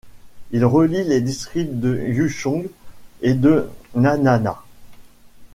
Il relie les districts de Yuzhong et de Nanana.